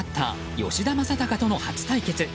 吉田正尚との初対決。